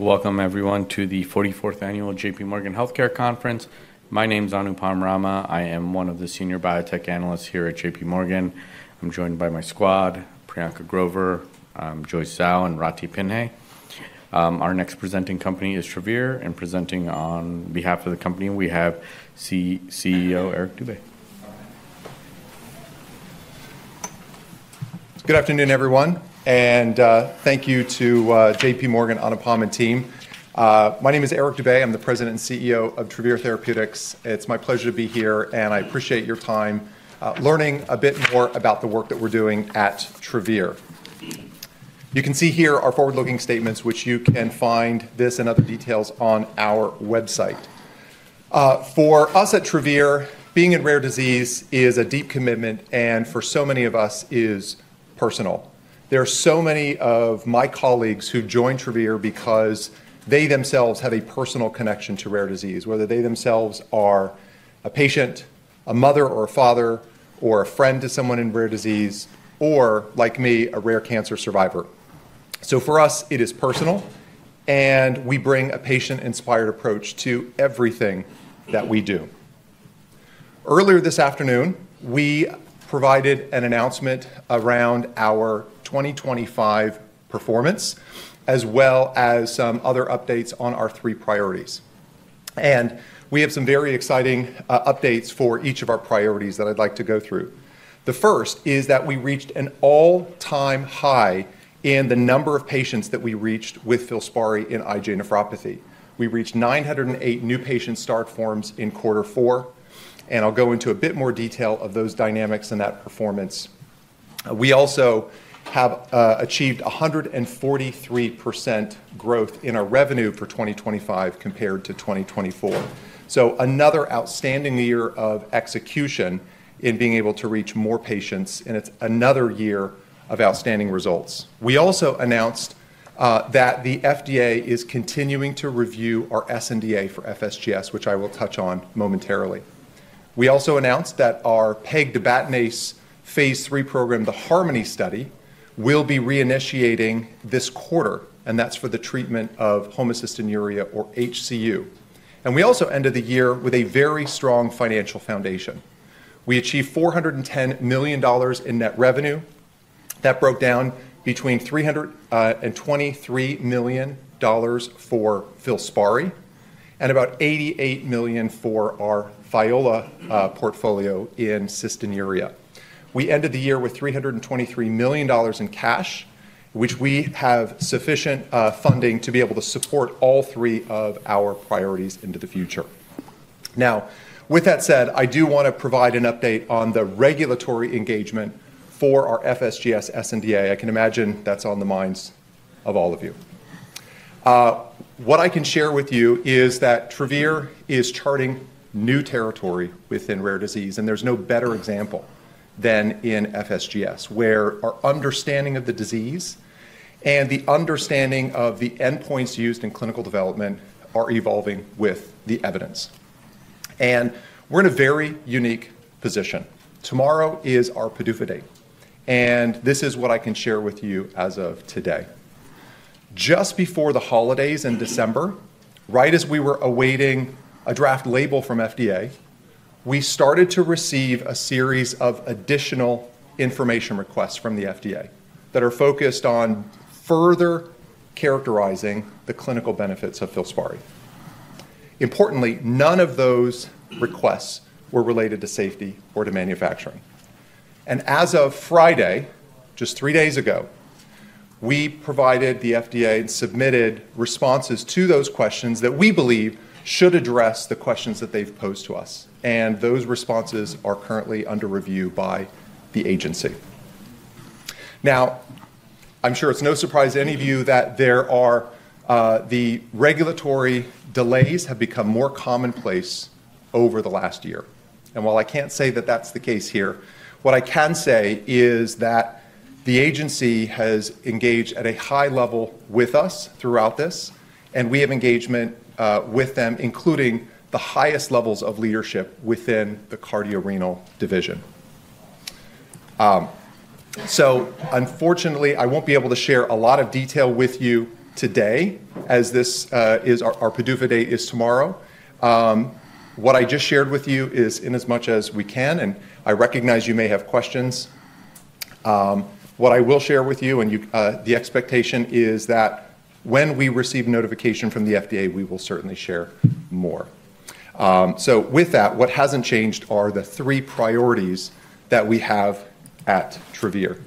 Welcome, everyone, to the 44th Annual JPMorgan Healthcare Conference. My name is Anupam Rama. I am one of the Senior Biotech Analysts here at JPMorgan. I'm joined by my squad, Priyanka Grover, Joyce Zhao, and Rati Pinhe. Our next presenting company is Travere, and presenting on behalf of the company we have CEO, Eric Dube. Good afternoon, everyone, and thank you to JPMorgan, Anupam, and team. My name is Eric Dube. I'm the President and CEO of Travere Therapeutics. It's my pleasure to be here, and I appreciate your time learning a bit more about the work that we're doing at Travere. You can see here our forward-looking statements, which you can find this and other details on our website. For us at Travere, being in rare disease is a deep commitment, and for so many of us, it is personal. There are so many of my colleagues who joined Travere because they themselves have a personal connection to rare disease, whether they themselves are a patient, a mother or a father, or a friend to someone in rare disease, or, like me, a rare cancer survivor. So for us, it is personal, and we bring a patient-inspired approach to everything that we do. Earlier this afternoon, we provided an announcement around our 2025 performance, as well as some other updates on our three priorities. And we have some very exciting updates for each of our priorities that I'd like to go through. The first is that we reached an all-time high in the number of patients that we reached with FILSPARI in IgA nephropathy. We reached 908 new patient start forms in quarter four, and I'll go into a bit more detail of those dynamics and that performance. We also have achieved 143% growth in our revenue for 2025 compared to 2024. So another outstanding year of execution in being able to reach more patients, and it's another year of outstanding results. We also announced that the FDA is continuing to review our sNDA for FSGS, which I will touch on momentarily. We also announced that our pegtibatinase phase III program, the HARMONY study, will be reinitiating this quarter, and that's for the treatment of homocystinuria, or HCU. And we also ended the year with a very strong financial foundation. We achieved $410 million in net revenue. That broke down between $323 million for FILSPARI and about $88 million for our Thiola portfolio in cystinuria. We ended the year with $323 million in cash, which we have sufficient funding to be able to support all three of our priorities into the future. Now, with that said, I do want to provide an update on the regulatory engagement for our FSGS sNDA. I can imagine that's on the minds of all of you. What I can share with you is that Travere is charting new territory within rare disease, and there's no better example than in FSGS, where our understanding of the disease and the understanding of the endpoints used in clinical development are evolving with the evidence, and we're in a very unique position. Tomorrow is our PDUFA day, and this is what I can share with you as of today. Just before the holidays in December, right as we were awaiting a draft label from the FDA, we started to receive a series of additional information requests from the FDA that are focused on further characterizing the clinical benefits of FILSPARI. Importantly, none of those requests were related to safety or to manufacturing. And as of Friday, just three days ago, we provided the FDA and submitted responses to those questions that we believe should address the questions that they've posed to us, and those responses are currently under review by the agency. Now, I'm sure it's no surprise to any of you that the regulatory delays have become more commonplace over the last year. And while I can't say that that's the case here, what I can say is that the agency has engaged at a high level with us throughout this, and we have engagement with them, including the highest levels of leadership within the cardiorenal division. So unfortunately, I won't be able to share a lot of detail with you today, as our PDUFA date is tomorrow. What I just shared with you is inasmuch as we can, and I recognize you may have questions. What I will share with you, and the expectation is that when we receive notification from the FDA, we will certainly share more. So with that, what hasn't changed are the three priorities that we have at Travere,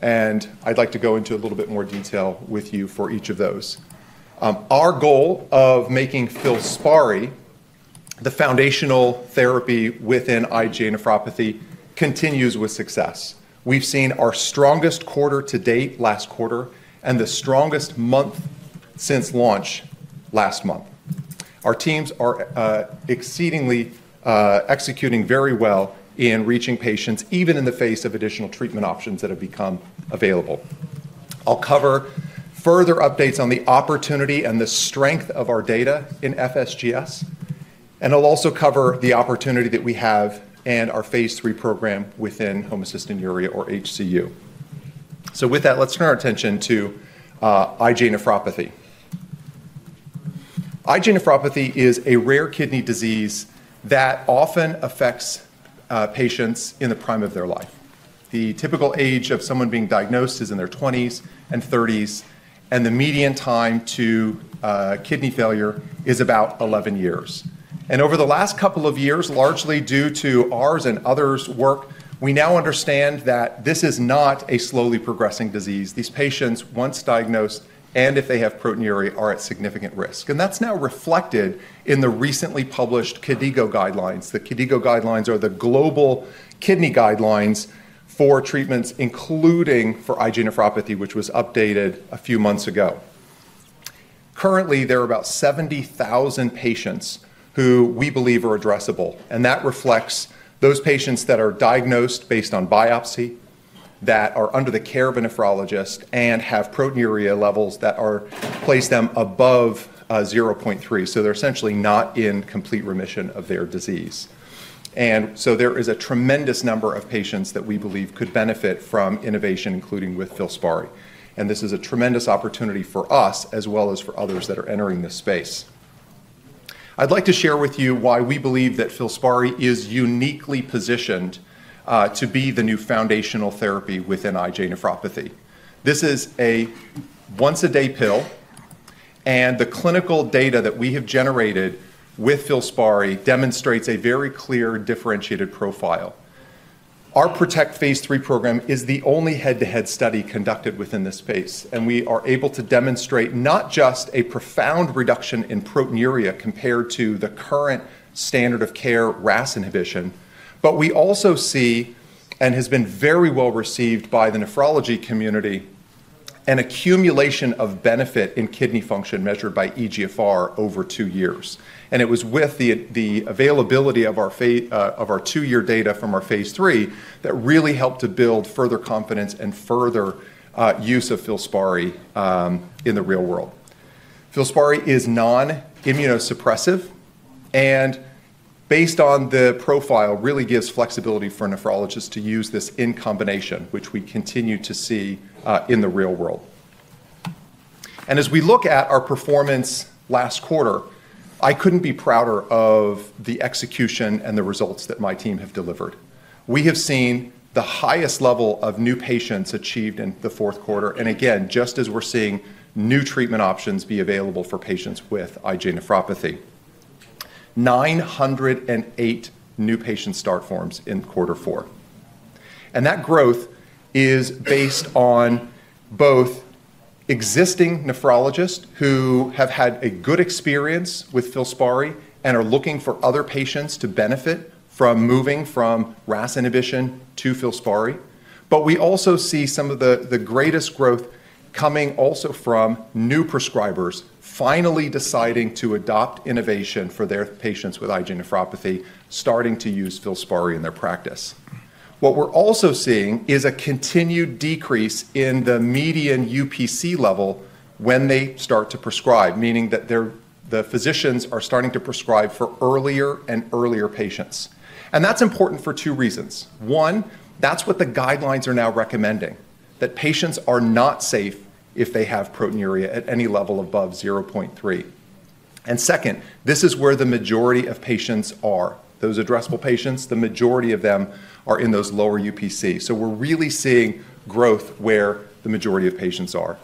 and I'd like to go into a little bit more detail with you for each of those. Our goal of making FILSPARI the foundational therapy within IgA nephropathy continues with success. We've seen our strongest quarter to date last quarter and the strongest month since launch last month. Our teams are exceedingly executing very well in reaching patients, even in the face of additional treatment options that have become available. I'll cover further updates on the opportunity and the strength of our data in FSGS, and I'll also cover the opportunity that we have and our phase III program within homocystinuria, or HCU. With that, let's turn our attention to IgA nephropathy. IgA nephropathy is a rare kidney disease that often affects patients in the prime of their life. The typical age of someone being diagnosed is in their 20s and 30s, and the median time to kidney failure is about 11 years. Over the last couple of years, largely due to ours and others' work, we now understand that this is not a slowly progressing disease. These patients, once diagnosed and if they have proteinuria, are at significant risk. That's now reflected in the recently published KDIGO guidelines. The KDIGO guidelines are the global kidney guidelines for treatments, including for IgA nephropathy, which was updated a few months ago. Currently, there are about 70,000 patients who we believe are addressable, and that reflects those patients that are diagnosed based on biopsy, that are under the care of a nephrologist, and have proteinuria levels that place them above 0.3. So they're essentially not in complete remission of their disease. And so there is a tremendous number of patients that we believe could benefit from innovation, including with FILSPARI. And this is a tremendous opportunity for us, as well as for others that are entering this space. I'd like to share with you why we believe that FILSPARI is uniquely positioned to be the new foundational therapy within IgA nephropathy. This is a once-a-day pill, and the clinical data that we have generated with FILSPARI demonstrates a very clear differentiated profile. Our PROTECT phase III program is the only head-to-head study conducted within this space, and we are able to demonstrate not just a profound reduction in proteinuria compared to the current standard of care RAS inhibition, but we also see, and has been very well received by the nephrology community, an accumulation of benefit in kidney function measured by eGFR over two years. And it was with the availability of our two-year data from our phase III that really helped to build further confidence and further use of FILSPARI in the real world. FILSPARI is non-immunosuppressive, and based on the profile, it really gives flexibility for nephrologists to use this in combination, which we continue to see in the real world. And as we look at our performance last quarter, I couldn't be prouder of the execution and the results that my team have delivered. We have seen the highest level of new patients achieved in the fourth quarter, and again, just as we're seeing new treatment options be available for patients with IgA nephropathy. 908 new patient start forms in quarter four. And that growth is based on both existing nephrologists who have had a good experience with FILSPARI and are looking for other patients to benefit from moving from RAS inhibition to FILSPARI. But we also see some of the greatest growth coming also from new prescribers finally deciding to adopt innovation for their patients with IgA nephropathy, starting to use FILSPARI in their practice. What we're also seeing is a continued decrease in the median UPC level when they start to prescribe, meaning that the physicians are starting to prescribe for earlier and earlier patients. And that's important for two reasons. One, that's what the guidelines are now recommending, that patients are not safe if they have proteinuria at any level above 0.3. Second, this is where the majority of patients are, those addressable patients. The majority of them are in those lower UPCs. So we're really seeing growth where the majority of patients are.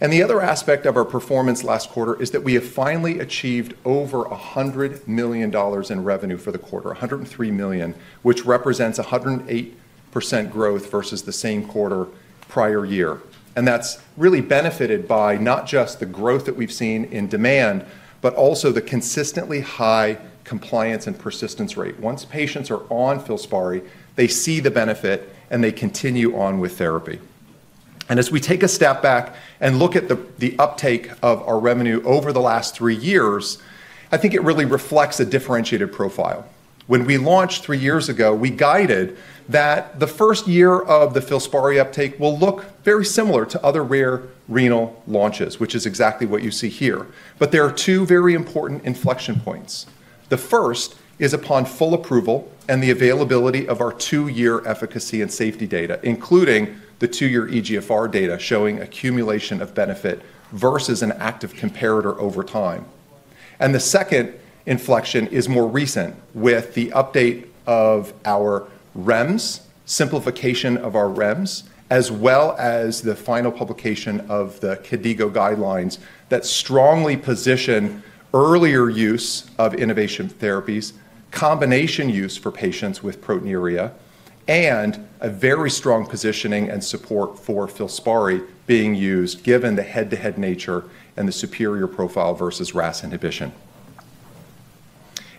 The other aspect of our performance last quarter is that we have finally achieved over $100 million in revenue for the quarter, $103 million, which represents 108% growth versus the same quarter prior year. That's really benefited by not just the growth that we've seen in demand, but also the consistently high compliance and persistence rate. Once patients are on FILSPARI, they see the benefit, and they continue on with therapy. And as we take a step back and look at the uptake of our revenue over the last three years, I think it really reflects a differentiated profile. When we launched three years ago, we guided that the first year of the FILSPARI uptake will look very similar to other rare renal launches, which is exactly what you see here. But there are two very important inflection points. The first is upon full approval and the availability of our two-year efficacy and safety data, including the two-year eGFR data showing accumulation of benefit versus an active comparator over time. The second inflection is more recent with the update of our REMS, simplification of our REMS, as well as the final publication of the KDIGO guidelines that strongly position earlier use of innovative therapies, combination use for patients with proteinuria, and a very strong positioning and support for FILSPARI being used, given the head-to-head nature and the superior profile versus RAS inhibition.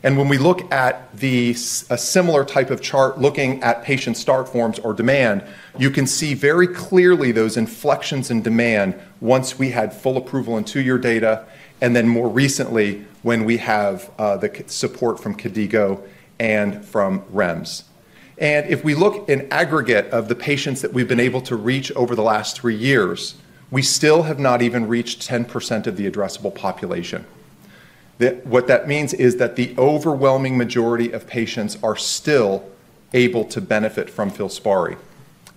And when we look at a similar type of chart looking at patient start forms or demand, you can see very clearly those inflections in demand once we had full approval and two-year data, and then more recently when we have the support from KDIGO and from REMS. And if we look in aggregate at the patients that we've been able to reach over the last three years, we still have not even reached 10% of the addressable population. What that means is that the overwhelming majority of patients are still able to benefit from FILSPARI.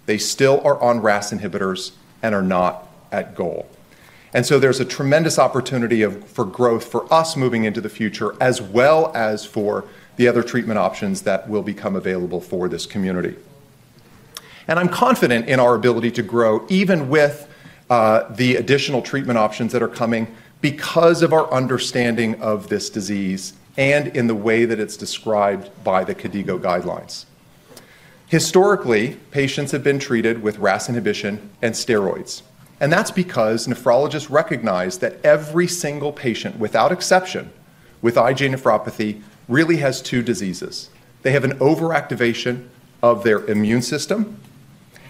They still are on RAS inhibitors and are not at goal, and so there's a tremendous opportunity for growth for us moving into the future, as well as for the other treatment options that will become available for this community, and I'm confident in our ability to grow even with the additional treatment options that are coming because of our understanding of this disease and in the way that it's described by the KDIGO guidelines. Historically, patients have been treated with RAS inhibition and steroids, and that's because nephrologists recognize that every single patient, without exception, with IgA nephropathy really has two diseases. They have an overactivation of their immune system,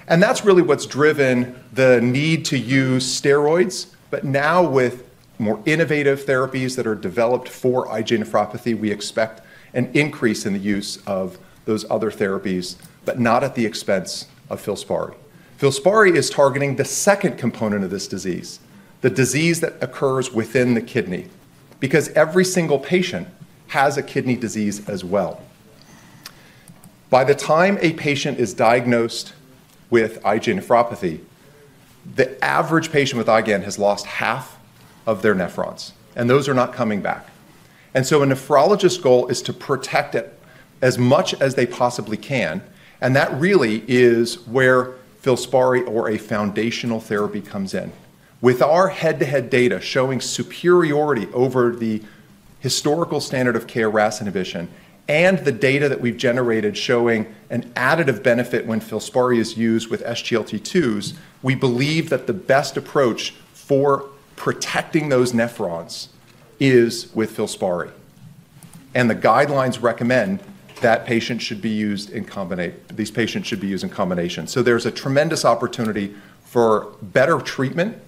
and that's really what's driven the need to use steroids. But now, with more innovative therapies that are developed for IgA nephropathy, we expect an increase in the use of those other therapies, but not at the expense of FILSPARI. FILSPARI is targeting the second component of this disease, the disease that occurs within the kidney, because every single patient has a kidney disease as well. By the time a patient is diagnosed with IgA nephropathy, the average patient with IgA has lost half of their nephrons, and those are not coming back. And so a nephrologist's goal is to protect as much as they possibly can, and that really is where FILSPARI or a foundational therapy comes in. With our head-to-head data showing superiority over the historical standard of care RAS inhibition and the data that we've generated showing an additive benefit when FILSPARI is used with SGLT2s, we believe that the best approach for protecting those nephrons is with FILSPARI. And the guidelines recommend that FILSPARI should be used in combination. So there's a tremendous opportunity for better treatment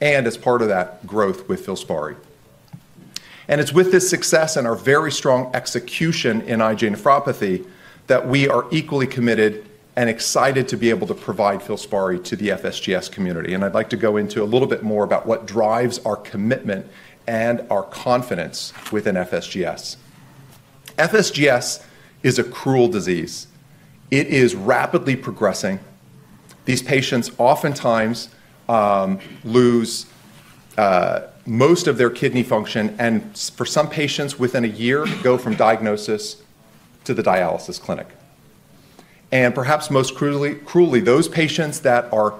and, as part of that, growth with FILSPARI. And it's with this success and our very strong execution in IgA nephropathy that we are equally committed and excited to be able to provide FILSPARI to the FSGS community. And I'd like to go into a little bit more about what drives our commitment and our confidence within FSGS. FSGS is a cruel disease. It is rapidly progressing. These patients oftentimes lose most of their kidney function, and for some patients, within a year, go from diagnosis to the dialysis clinic, and perhaps most cruelly, those patients that are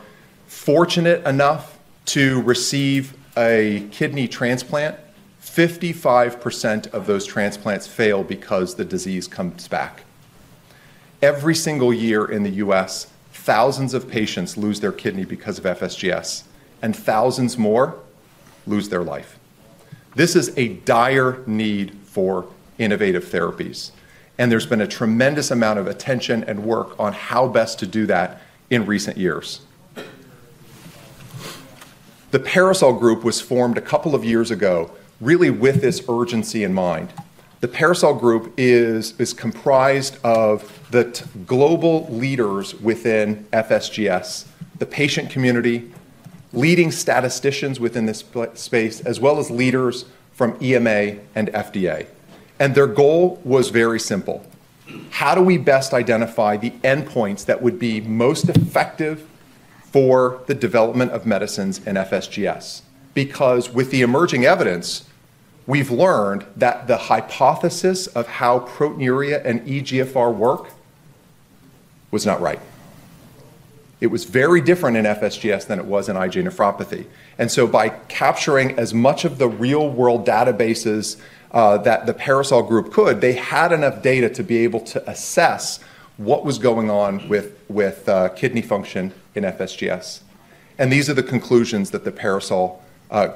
fortunate enough to receive a kidney transplant, 55% of those transplants fail because the disease comes back. Every single year in the U.S., thousands of patients lose their kidney because of FSGS, and thousands more lose their life. This is a dire need for innovative therapies, and there's been a tremendous amount of attention and work on how best to do that in recent years. The PARASOL Group was formed a couple of years ago, really with this urgency in mind. The PARASOL Group is comprised of the global leaders within FSGS, the patient community, leading statisticians within this space, as well as leaders from EMA and FDA. And their goal was very simple: how do we best identify the endpoints that would be most effective for the development of medicines in FSGS? Because with the emerging evidence, we've learned that the hypothesis of how proteinuria and eGFR work was not right. It was very different in FSGS than it was in IgA nephropathy. And so by capturing as much of the real-world databases that the PARASOL Group could, they had enough data to be able to assess what was going on with kidney function in FSGS. And these are the conclusions that the PARASOL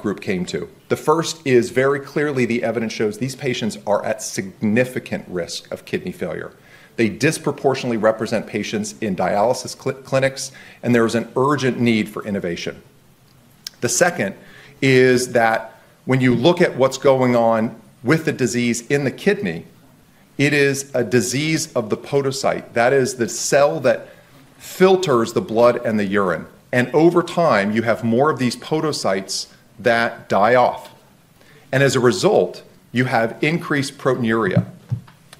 Group came to. The first is very clearly the evidence shows these patients are at significant risk of kidney failure. They disproportionately represent patients in dialysis clinics, and there is an urgent need for innovation. The second is that when you look at what's going on with the disease in the kidney, it is a disease of the podocyte. That is the cell that filters the blood and the urine, and over time, you have more of these podocytes that die off, and as a result, you have increased proteinuria,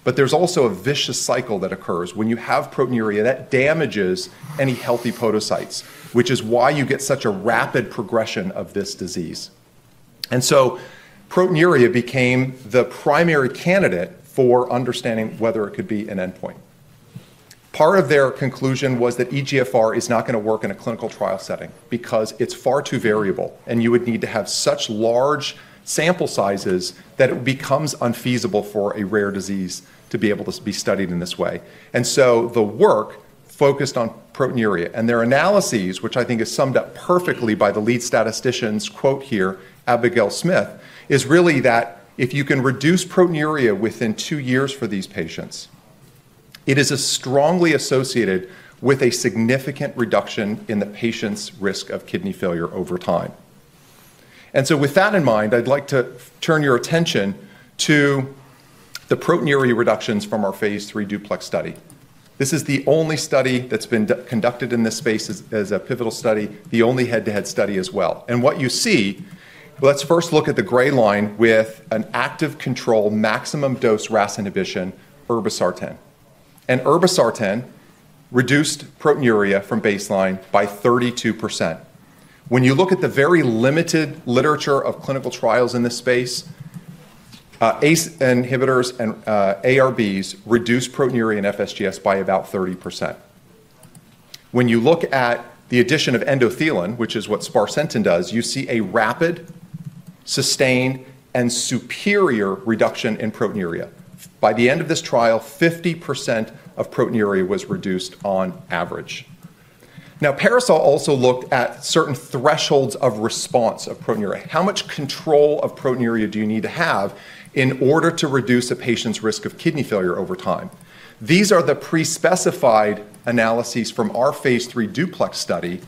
but there's also a vicious cycle that occurs when you have proteinuria that damages any healthy podocytes, which is why you get such a rapid progression of this disease, and so proteinuria became the primary candidate for understanding whether it could be an endpoint. Part of their conclusion was that eGFR is not going to work in a clinical trial setting because it's far too variable, and you would need to have such large sample sizes that it becomes unfeasible for a rare disease to be able to be studied in this way. And so the work focused on proteinuria and their analyses, which I think is summed up perfectly by the lead statistician's quote here, Abigail Smith, is really that if you can reduce proteinuria within two years for these patients, it is strongly associated with a significant reduction in the patient's risk of kidney failure over time. And so with that in mind, I'd like to turn your attention to the proteinuria reductions from our phase III DUPLEX study. This is the only study that's been conducted in this space as a pivotal study, the only head-to-head study as well. And what you see, let's first look at the gray line with an active control maximum dose RAS inhibition, irbesartan. And irbesartan reduced proteinuria from baseline by 32%. When you look at the very limited literature of clinical trials in this space, ACE inhibitors and ARBs reduced proteinuria in FSGS by about 30%. When you look at the addition of endothelin, which is what sparsentan does, you see a rapid, sustained, and superior reduction in proteinuria. By the end of this trial, 50% of proteinuria was reduced on average. Now, PARASOL also looked at certain thresholds of response of proteinuria. How much control of proteinuria do you need to have in order to reduce a patient's risk of kidney failure over time? These are the pre-specified analyses from our phase III DUPLEX study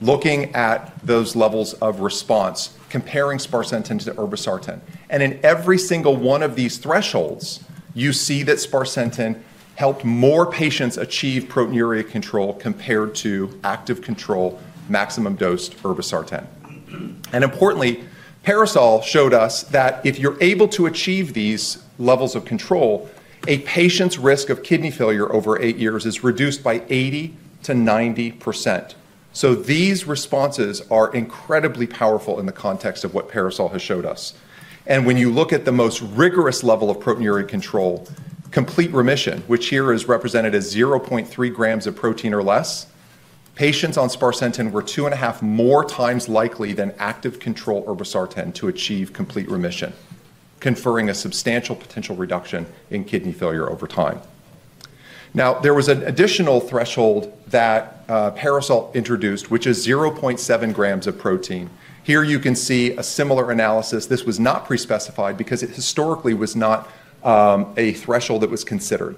looking at those levels of response, comparing sparsentan to irbesartan, and in every single one of these thresholds, you see that sparsentan helped more patients achieve proteinuria control compared to active control maximum dose irbesartan. Importantly, PARASOL showed us that if you're able to achieve these levels of control, a patient's risk of kidney failure over eight years is reduced by 80%-90%. These responses are incredibly powerful in the context of what PARASOL has showed us. When you look at the most rigorous level of proteinuria control, complete remission, which here is represented as 0.3 grams of protein or less, patients on sparsentan were two and a half more times likely than active control irbesartan to achieve complete remission, conferring a substantial potential reduction in kidney failure over time. Now, there was an additional threshold that PARASOL introduced, which is 0.7 g of protein. Here you can see a similar analysis. This was not pre-specified because it historically was not a threshold that was considered.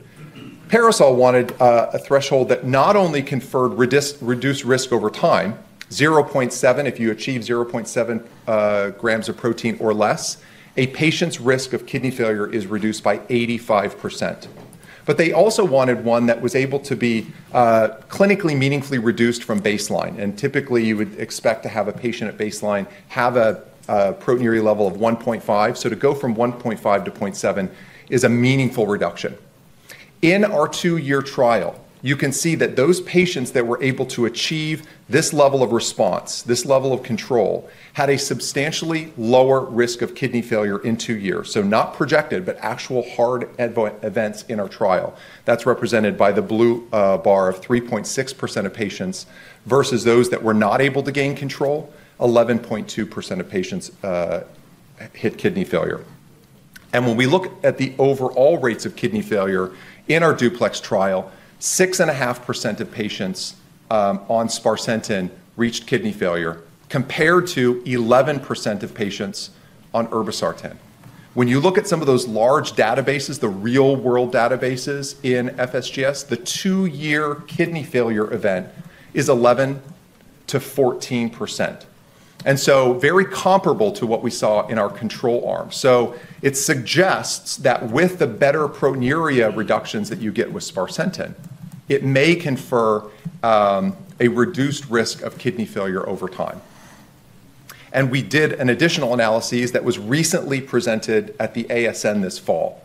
PARASOL wanted a threshold that not only conferred reduced risk over time, 0.7 g if you achieve 0.7 g of protein or less, a patient's risk of kidney failure is reduced by 85%. But they also wanted one that was able to be clinically meaningfully reduced from baseline. And typically, you would expect to have a patient at baseline have a proteinuria level of 1.5 g. So to go from 1.5 g to 0.7 g is a meaningful reduction. In our two-year trial, you can see that those patients that were able to achieve this level of response, this level of control, had a substantially lower risk of kidney failure in two years. So not projected, but actual hard events in our trial. That's represented by the blue bar of 3.6% of patients versus those that were not able to gain control, 11.2% of patients hit kidney failure. When we look at the overall rates of kidney failure in our DUPLEX trial, 6.5% of patients on sparsentan reached kidney failure compared to 11% of patients on irbesartan. When you look at some of those large databases, the real-world databases in FSGS, the two-year kidney failure event is 11%-14%. So very comparable to what we saw in our control arm. It suggests that with the better proteinuria reductions that you get with sparsentan, it may confer a reduced risk of kidney failure over time. We did an additional analysis that was recently presented at the ASN this fall.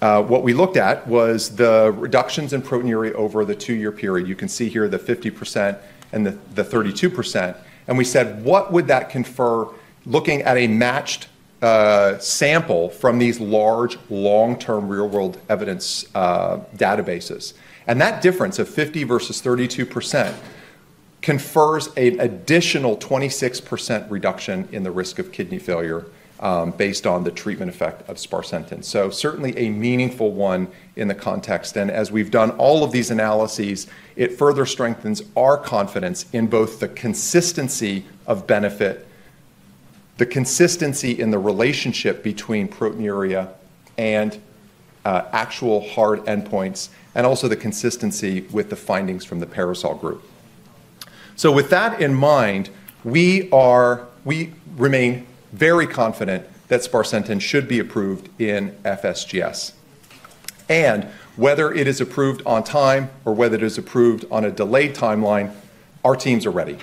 What we looked at was the reductions in proteinuria over the two-year period. You can see here the 50% and the 32%. We said, "What would that confer looking at a matched sample from these large, long-term real-world evidence databases?" That difference of 50% versus 32% confers an additional 26% reduction in the risk of kidney failure based on the treatment effect of sparsentan. Certainly a meaningful one in the context. As we've done all of these analyses, it further strengthens our confidence in both the consistency of benefit, the consistency in the relationship between proteinuria and actual hard endpoints, and also the consistency with the findings from the PARASOL Group. With that in mind, we remain very confident that sparsentan should be approved in FSGS. Whether it is approved on time or whether it is approved on a delayed timeline, our teams are ready.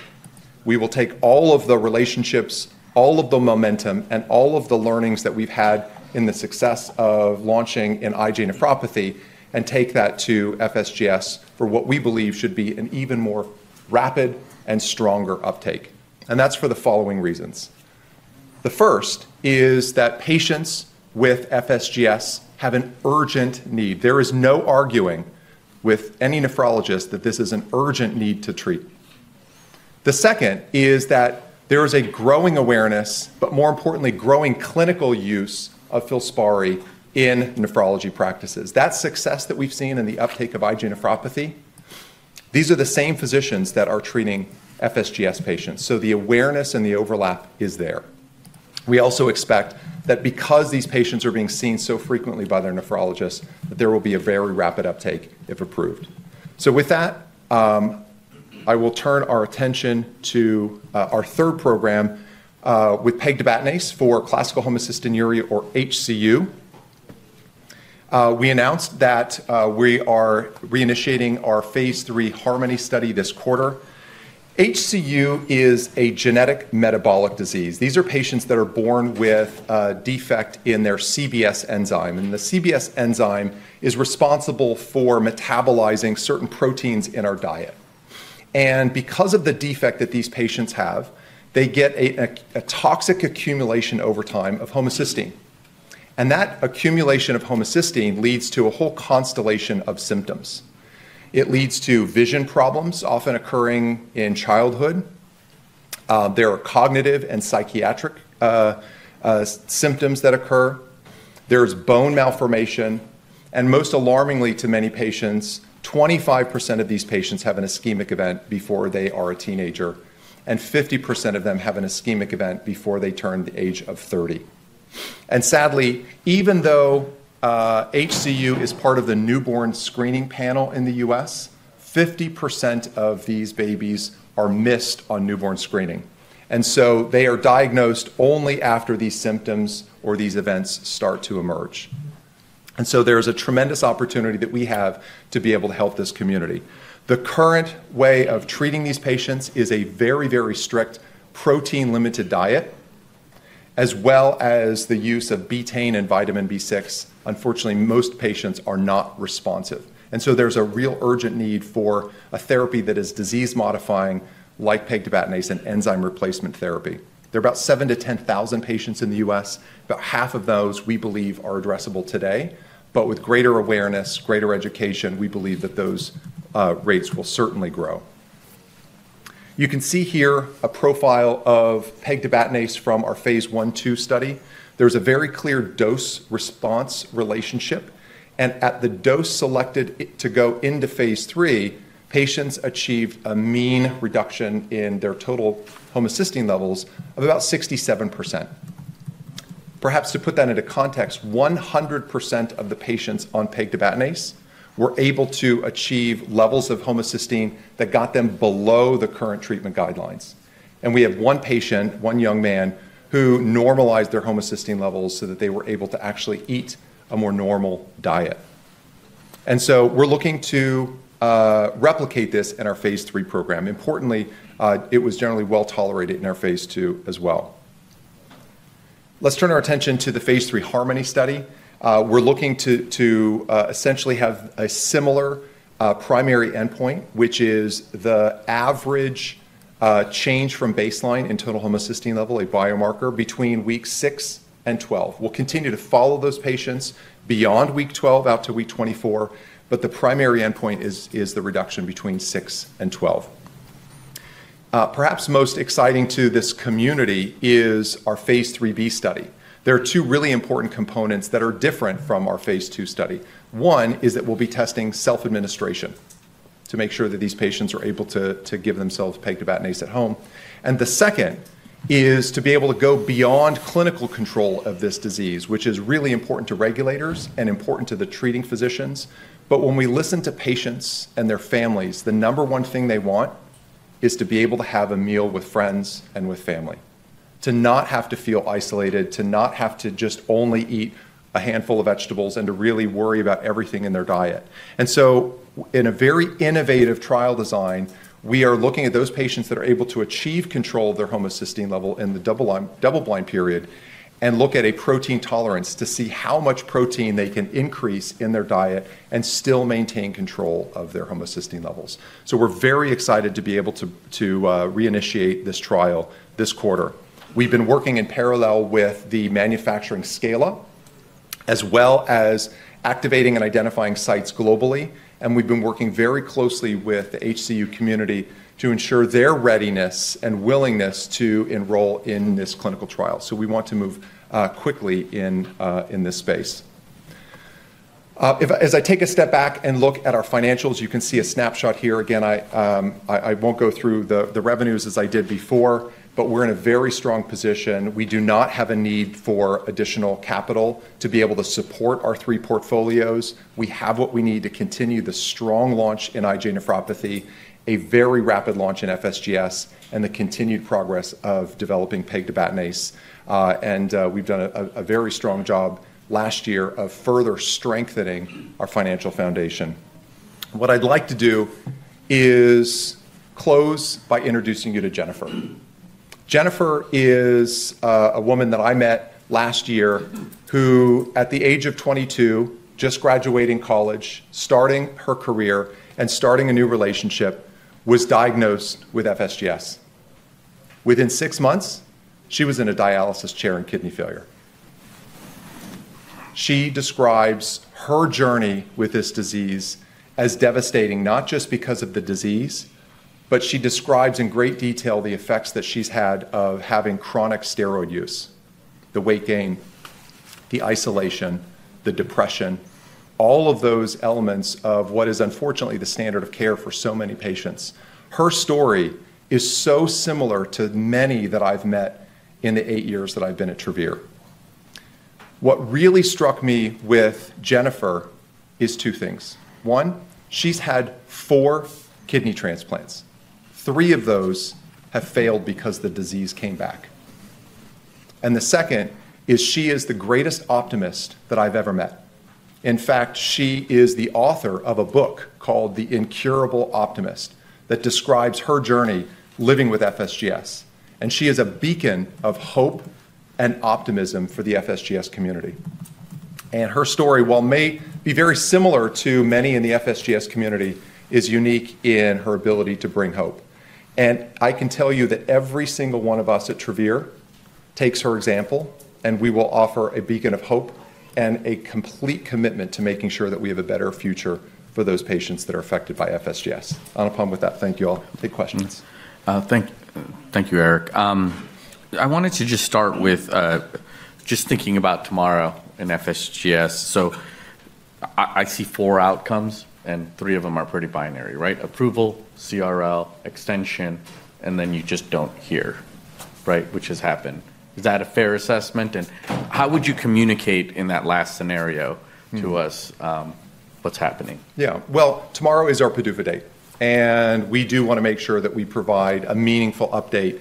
We will take all of the relationships, all of the momentum, and all of the learnings that we've had in the success of launching in IgA nephropathy and take that to FSGS for what we believe should be an even more rapid and stronger uptake. And that's for the following reasons. The first is that patients with FSGS have an urgent need. There is no arguing with any nephrologist that this is an urgent need to treat. The second is that there is a growing awareness, but more importantly, growing clinical use of FILSPARI in nephrology practices. That success that we've seen in the uptake of IgA nephropathy, these are the same physicians that are treating FSGS patients. So the awareness and the overlap is there. We also expect that because these patients are being seen so frequently by their nephrologists, that there will be a very rapid uptake if approved. So with that, I will turn our attention to our third program with pegtibatinase for classical homocystinuria or HCU. We announced that we are reinitiating our phase III HARMONY study this quarter. HCU is a genetic metabolic disease. These are patients that are born with a defect in their CBS enzyme. And the CBS enzyme is responsible for metabolizing certain proteins in our diet. And because of the defect that these patients have, they get a toxic accumulation over time of homocysteine. And that accumulation of homocysteine leads to a whole constellation of symptoms. It leads to vision problems often occurring in childhood. There are cognitive and psychiatric symptoms that occur. There is bone malformation. Most alarmingly to many patients, 25% of these patients have an ischemic event before they are a teenager, and 50% of them have an ischemic event before they turn the age of 30. Sadly, even though HCU is part of the newborn screening panel in the U.S., 50% of these babies are missed on newborn screening. There is a tremendous opportunity that we have to be able to help this community. The current way of treating these patients is a very, very strict protein-limited diet, as well as the use of betaine and vitamin B6. Unfortunately, most patients are not responsive. There's a real urgent need for a therapy that is disease-modifying, like pegtibatinase and enzyme replacement therapy. There are about 7,000-10,000 patients in the U.S. About half of those, we believe, are addressable today. But with greater awareness, greater education, we believe that those rates will certainly grow. You can see here a profile of pegtibatinase from our phase I/II study. There's a very clear dose-response relationship. And at the dose selected to go into phase III, patients achieved a mean reduction in their total homocysteine levels of about 67%. Perhaps to put that into context, 100% of the patients on pegtibatinase were able to achieve levels of homocysteine that got them below the current treatment guidelines. And we have one patient, one young man, who normalized their homocysteine levels so that they were able to actually eat a more normal diet. And so we're looking to replicate this in our phase III program. Importantly, it was generally well tolerated in our phase II as well. Let's turn our attention to the phase III HARMONY study. We're looking to essentially have a similar primary endpoint, which is the average change from baseline in total homocysteine level, a biomarker between weeks six and 12. We'll continue to follow those patients beyond week 12 out to week 24, but the primary endpoint is the reduction between six and 12. Perhaps most exciting to this community is our phase III-B study. There are two really important components that are different from our phase II study. One is that we'll be testing self-administration to make sure that these patients are able to give themselves pegtibatinase at home, and the second is to be able to go beyond clinical control of this disease, which is really important to regulators and important to the treating physicians. But when we listen to patients and their families, the number one thing they want is to be able to have a meal with friends and with family, to not have to feel isolated, to not have to just only eat a handful of vegetables and to really worry about everything in their diet. And so in a very innovative trial design, we are looking at those patients that are able to achieve control of their homocysteine level in the double-blind period and look at a protein tolerance to see how much protein they can increase in their diet and still maintain control of their homocysteine levels. So we're very excited to be able to reinitiate this trial this quarter. We've been working in parallel with the manufacturing scale-up, as well as activating and identifying sites globally. And we've been working very closely with the HCU community to ensure their readiness and willingness to enroll in this clinical trial. So we want to move quickly in this space. As I take a step back and look at our financials, you can see a snapshot here. Again, I won't go through the revenues as I did before, but we're in a very strong position. We do not have a need for additional capital to be able to support our three portfolios. We have what we need to continue the strong launch in IgA nephropathy, a very rapid launch in FSGS, and the continued progress of developing pegtibatinase. And we've done a very strong job last year of further strengthening our financial foundation. What I'd like to do is close by introducing you to Jennifer. Jennifer is a woman that I met last year who, at the age of 22, just graduating college, starting her career and starting a new relationship, was diagnosed with FSGS. Within six months, she was in a dialysis chair in kidney failure. She describes her journey with this disease as devastating, not just because of the disease, but she describes in great detail the effects that she's had of having chronic steroid use, the weight gain, the isolation, the depression, all of those elements of what is unfortunately the standard of care for so many patients. Her story is so similar to many that I've met in the eight years that I've been at Travere. What really struck me with Jennifer is two things. One, she's had four kidney transplants. Three of those have failed because the disease came back. And the second is she is the greatest optimist that I've ever met. In fact, she is the author of a book called The Incurable Optimist that describes her journey living with FSGS. And she is a beacon of hope and optimism for the FSGS community. And her story, while may be very similar to many in the FSGS community, is unique in her ability to bring hope. And I can tell you that every single one of us at Travere takes her example, and we will offer a beacon of hope and a complete commitment to making sure that we have a better future for those patients that are affected by FSGS. On that note, thank you all. I'll take question. Thank you, Eric. I wanted to just start with just thinking about tomorrow in FSGS. So I see four outcomes, and three of them are pretty binary, right? Approval, CRL, extension, and then you just don't hear, right, which has happened. Is that a fair assessment? And how would you communicate in that last scenario to us what's happening? Yeah. Tomorrow is our PDUFA date. We do want to make sure that we provide a meaningful update.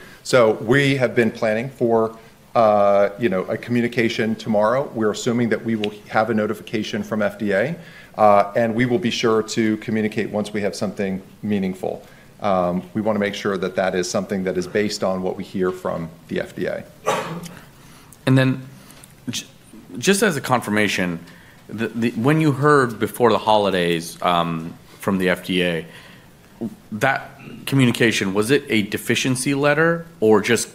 We have been planning for a communication tomorrow. We're assuming that we will have a notification from FDA, and we will be sure to communicate once we have something meaningful. We want to make sure that that is something that is based on what we hear from the FDA. Just as a confirmation, when you heard before the holidays from the FDA, that communication, was it a deficiency letter or just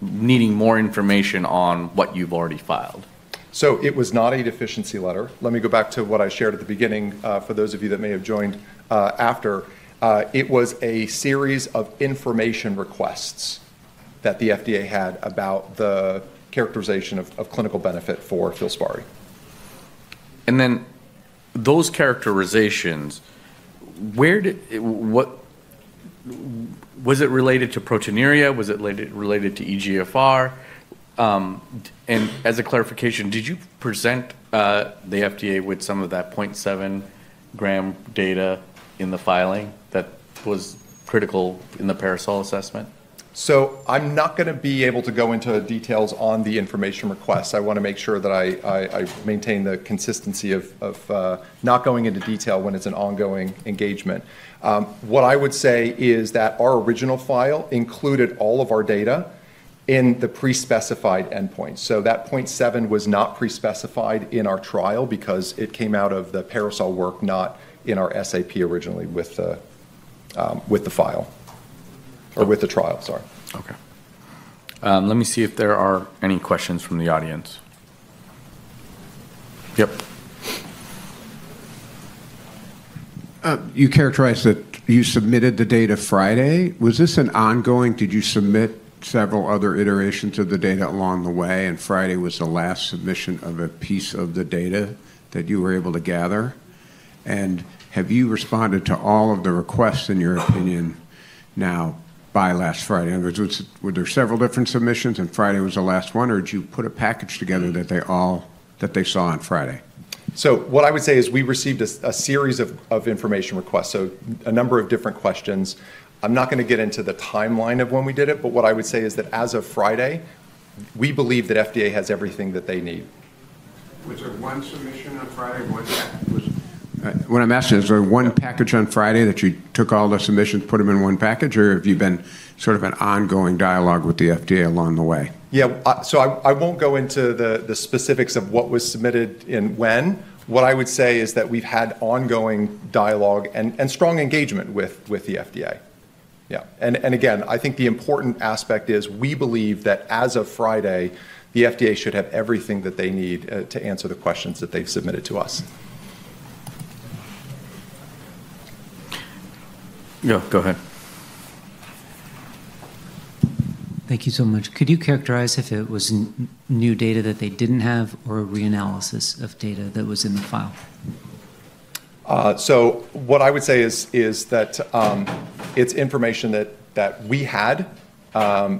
needing more information on what you've already filed? It was not a deficiency letter. Let me go back to what I shared at the beginning for those of you that may have joined after. It was a series of information requests that the FDA had about the characterization of clinical benefit for FILSPARI. And then those characterizations, was it related to proteinuria? Was it related to eGFR? And as a clarification, did you present the FDA with some of that 0.7 g data in the filing that was critical in the PARASOL assessment? I'm not going to be able to go into details on the information requests. I want to make sure that I maintain the consistency of not going into detail when it's an ongoing engagement. What I would say is that our original filing included all of our data in the pre-specified endpoints. That 0.7 g was not pre-specified in our trial because it came out of the PARASOL work, not in our SAP originally with the filing or with the trial, sorry. Okay. Let me see if there are any questions from the audience. Yep. You characterized that you submitted the data Friday. Was this an ongoing? Did you submit several other iterations of the data along the way, and Friday was the last submission of a piece of the data that you were able to gather, and have you responded to all of the requests, in your opinion, now by last Friday? Were there several different submissions, and Friday was the last one, or did you put a package together that they saw on Friday? What I would say is we received a series of information requests, so a number of different questions. I'm not going to get into the timeline of when we did it, but what I would say is that as of Friday, we believe that FDA has everything that they need. Was there one submission on Friday? What I'm asking is, was there one package on Friday that you took all the submissions, put them in one package, or have you been sort of in ongoing dialogue with the FDA along the way? Yeah. So I won't go into the specifics of what was submitted and when. What I would say is that we've had ongoing dialogue and strong engagement with the FDA. Yeah. And again, I think the important aspect is we believe that as of Friday, the FDA should have everything that they need to answer the questions that they've submitted to us. Yeah, go ahead. Thank you so much. Could you characterize if it was new data that they didn't have or a reanalysis of data that was in the file? So what I would say is that it's information that we had.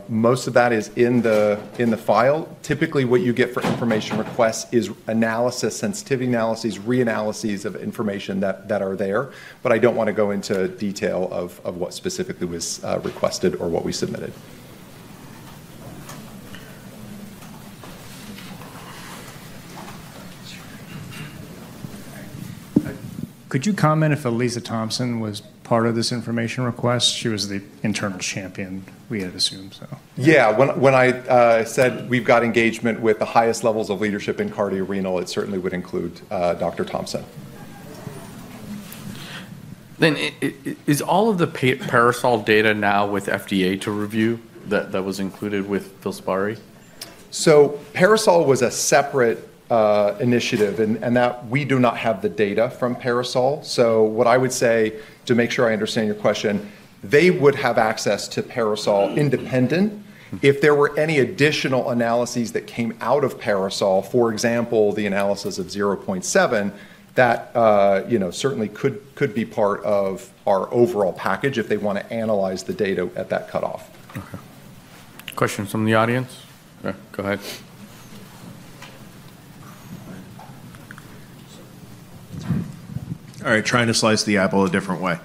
Most of that is in the file. Typically, what you get for information requests is analysis, sensitivity analyses, reanalyses of information that are there. But I don't want to go into detail of what specifically was requested or what we submitted. Could you comment if Aliza Thompson was part of this information request? She was the internal champion, we had assumed, so. Yeah. When I said we've got engagement with the highest levels of leadership in cardiorenal, it certainly would include Dr. Thompson. Is all of the PARASOL data now with FDA to review that was included with FILSPARI? PARASOL was a separate initiative, and we do not have the data from PARASOL. What I would say to make sure I understand your question, they would have access to PARASOL independently. If there were any additional analyses that came out of PARASOL, for example, the analysis of 0.7, that certainly could be part of our overall package if they want to analyze the data at that cutoff. Okay. Questions from the audience? Go ahead. All right. Trying to slice the apple a different way.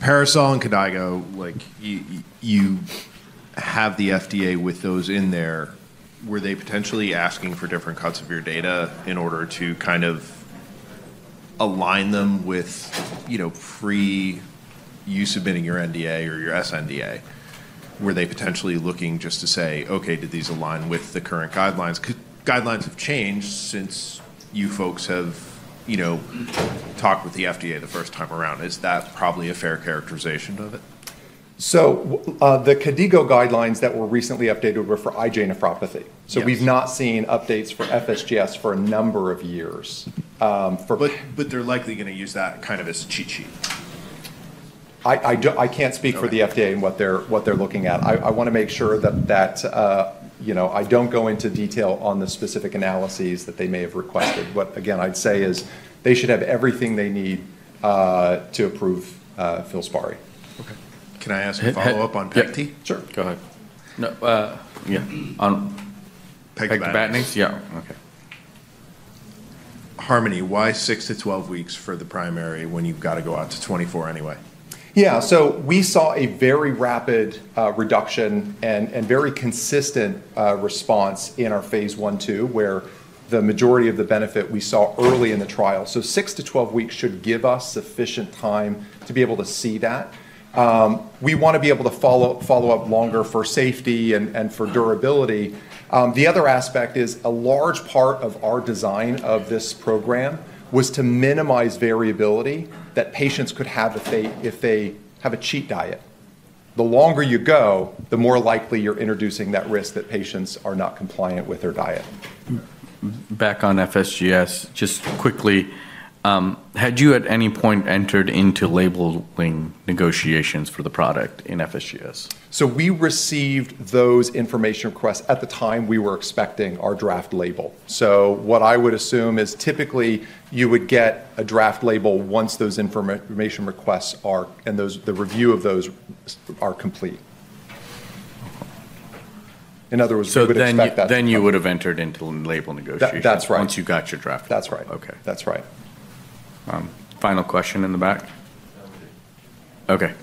PARASOL and KDIGO, you have the FDA with those in there. Were they potentially asking for different cuts of your data in order to kind of align them with pre-you submitting your NDA or your sNDA? Were they potentially looking just to say, "Okay, did these align with the current guidelines?" Guidelines have changed since you folks have talked with the FDA the first time around. Is that probably a fair characterization of it? So the KDIGO guidelines that were recently updated were for IgA nephropathy. So we've not seen updates for FSGS for a number of years. But they're likely going to use that kind of as cheat sheet. I can't speak for the FDA and what they're looking at. I want to make sure that I don't go into detail on the specific analyses that they may have requested. What, again, I'd say is they should have everything they need to approve FILSPARI. Okay. Can I ask a follow-up on PegT? Sure. Go ahead. Yeah. Pegtibatinase? Yeah. Okay. HARMONY, why 6-12 weeks for the primary when you've got to go out to 24 anyway? Yeah. So we saw a very rapid reduction and very consistent response in our phase I/II where the majority of the benefit we saw early in the trial. So six to 12 weeks should give us sufficient time to be able to see that. We want to be able to follow up longer for safety and for durability. The other aspect is a large part of our design of this program was to minimize variability that patients could have if they have a cheat diet. The longer you go, the more likely you're introducing that risk that patients are not compliant with their diet. Back on FSGS, just quickly, had you at any point entered into labeling negotiations for the product in FSGS? We received those information requests at the time we were expecting our draft label. What I would assume is typically you would get a draft label once those information requests are and the review of those are complete. In other words, we would expect that. So then you would have entered into label negotiations once you got your draft label? That's right. That's right. Final question in the back? Okay.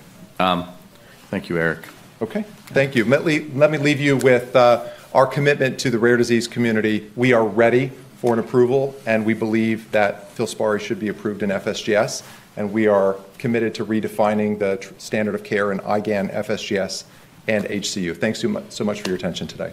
Thank you, Eric. Okay. Thank you. Let me leave you with our commitment to the rare disease community. We are ready for an approval, and we believe that FILSPARI should be approved in FSGS. And we are committed to redefining the standard of care in IgAN, FSGS, and HCU. Thanks so much for your attention today.